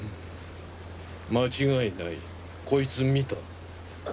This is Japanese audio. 間違いないコイツ見た。